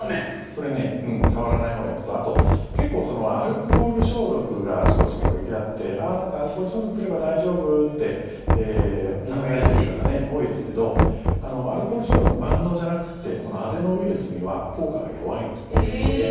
これ触らないほうがいいのとあと、結構アルコール消毒があちこちに置いてあってなんかアルコール消毒すれば大丈夫って思われてる方多いですけどアルコール消毒、万能じゃなくてこのアデノウイルスには効果が弱いんですね。